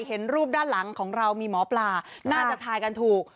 เห็นรูปด้านหลังของเรามีหมอปลาน่าจะทายกันถูก